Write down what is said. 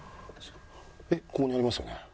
えっここにありますよね？